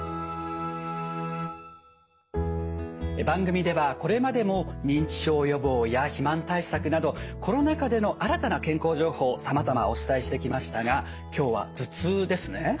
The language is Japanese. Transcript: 番組ではこれまでも認知症予防や肥満対策などコロナ禍での新たな健康情報さまざまお伝えしてきましたが今日は頭痛ですね。